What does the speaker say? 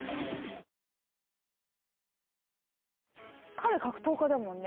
彼格闘家だもんね